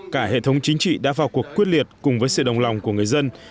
cả hệ thống chính trị đã vào cuộc quyết liệt cùng với sự đồng lòng của người dân